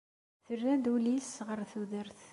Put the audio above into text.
terra-d ul-is ɣer tudert.